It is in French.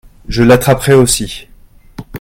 Je l'attraperai aussi.